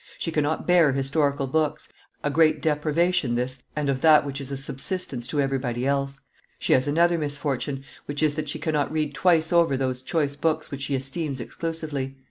She cannot bear historical books; a great deprivation this, and of that which is a subsistence to everybody else. She has another misfortune, which is, that she cannot read twice over those choice books which she esteems exclusively.